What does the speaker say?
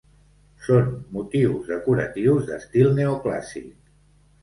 Són motius decoratius d'estil neoclàssic.